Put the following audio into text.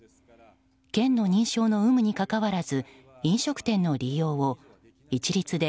県の認証の有無にかかわらず飲食店の利用を、一律で